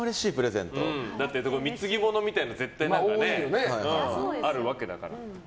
貢ぎ物みたいなの絶対なんかあるわけだから。